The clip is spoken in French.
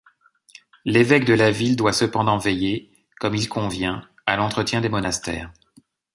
L'évêque de la ville doit cependant veiller, comme il convient, à l'entretien des monastères.